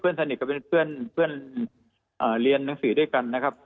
เพื่อนสนิทกับเพื่อนเรียนหนังสือด้วยกันนะครับ